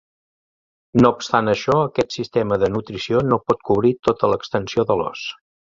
No obstant això, aquest sistema de nutrició no pot cobrir tota l'extensió de l'os.